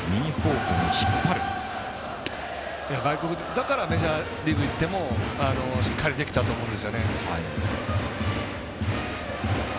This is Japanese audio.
だからメジャーリーグ行ってもしっかりできたと思うんですよね。